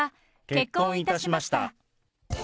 結婚いたしました。